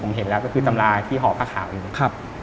ผมเห็นแล้วก็คือตำราที่หอพระข่าวอีก